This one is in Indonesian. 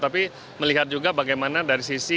tapi melihat juga bagaimana dari sisi